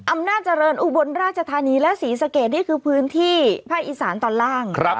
อำนาจเจริญอุบลราชธานีและศรีสะเกดนี่คือพื้นที่ภาคอีสานตอนล่าง